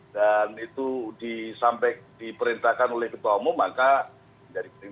dan itu disampe diperintahkan oleh ketua umum maka menjadi penting